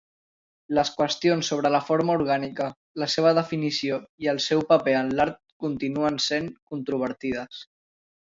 Les qüestions sobre la forma orgànica, la seva definició i el seu paper en l'art continuen sent controvertides.